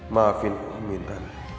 maafin aku intan